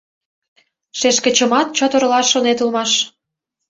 Шешкычымат чот оролаш шонет улмаш.